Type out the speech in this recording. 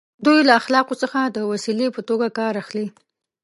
دوی له اخلاقو څخه د وسیلې په توګه کار اخلي.